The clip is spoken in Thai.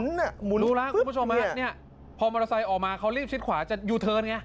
ดูแล้วคุณผู้ชมฮะเนี่ยพอมอเตอร์ไซค์ออกมาเขารีบชิดขวาจะยูเทิร์นไง